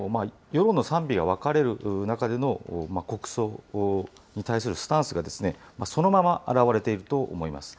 世論の賛否が分かれる中での国葬に対するスタンスが、そのまま表れていると思います。